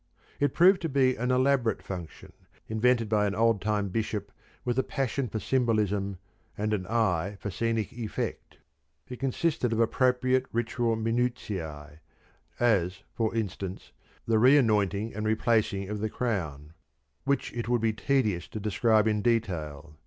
It proved to be an elaborate function, invented by an old time Bishop with a passion for symbolism and an eye for scenic effect. It consisted of appropriate ritual minutiae, as, for instance, the re anointing and replacing of the crown which it would be tedious to describe in detail.